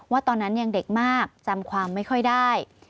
ตอนนั้นยังเด็กมากจำความไม่ค่อยได้